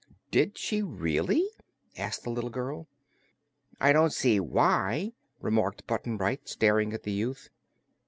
"Did she, really?" asked the little girl. "I don't see why," remarked Button Bright, staring at the youth.